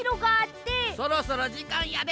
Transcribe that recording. そろそろじかんやで。